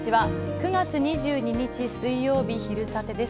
９月２２日水曜日、「昼サテ」です。